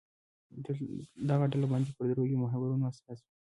دغه ډلبندي پر درېیو محورونو اساس وي.